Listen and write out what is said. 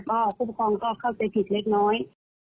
ก็ผู้ปกครองก็เข้าใจผิดเล็กน้อย